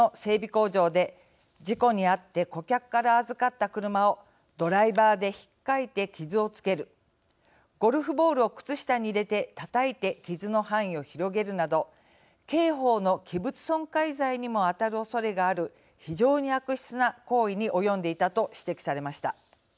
工場で事故にあって顧客から預かった車をドライバーでひっかいて傷をつけるゴルフボールを靴下に入れてたたいて傷の範囲を広げるなど刑法の器物損壊罪にも当たるおそれがある非常に悪質な行為に及んでいたと指摘されました。